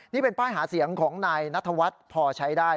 นี่เป็นป้ายหาเสียงของนายนัทวัฒน์พอใช้ได้